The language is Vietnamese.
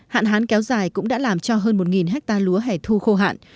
hạn hán kéo dài cũng đã làm cho hơn một hectare lúa hẻ thu khô hạn